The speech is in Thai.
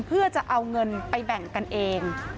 เพื่อจะเอาเงินไปแบ่งกันเอง